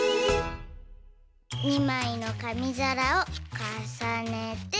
２まいのかみざらをかさねて。